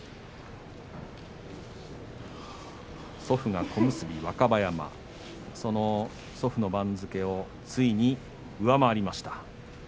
祖父が小結の若葉山祖父の番付を、ついに上回りました。